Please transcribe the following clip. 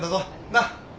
なっ。